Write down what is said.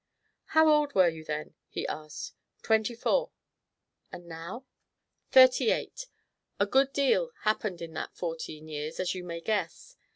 "How old were you then?" he asked. "Twenty four." "And now?" "Thirty eight. A good deal happened in that fourteen years, as you may guess.